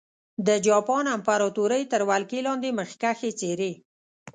د جاپان امپراتورۍ تر ولکې لاندې مخکښې څېرې.